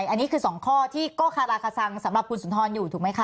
อันนี้คือ๒ข้อที่ก็คาราคาซังสำหรับคุณสุนทรอยู่ถูกไหมคะ